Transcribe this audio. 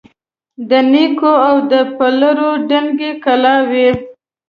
د نیکو او د پلرو دنګي کلاوي